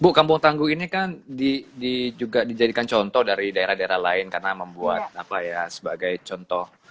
bu kampung tangguh ini kan juga dijadikan contoh dari daerah daerah lain karena membuat apa ya sebagai contoh